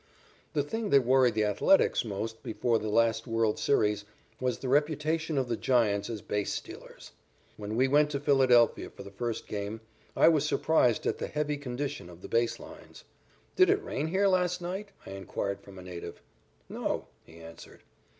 The thing that worried the Athletics most before the last world's series was the reputation of the Giants as base stealers. When we went to Philadelphia for the first game, I was surprised at the heavy condition of the base lines. "Did it rain here last night?" I inquired from a native. "No," he answered.